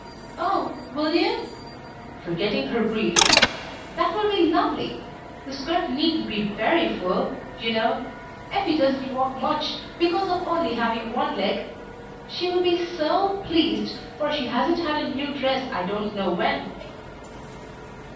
"Oh, will you?" forgetting her grief "that will be lovely. The skirt needn't be very full, you know. Effie doesn't walk much, because of only having one leg. She will be so pleased, for she hasn't had a new dress I don't know when."